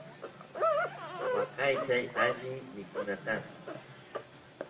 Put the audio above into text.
waqaychay alli mikunata